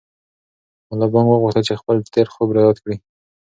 ملا بانګ وغوښتل چې خپل تېر خوب را یاد کړي.